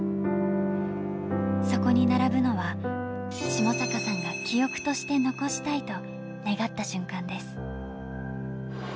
そこに並ぶのは、下坂さんが記憶として残したいと願った瞬間です。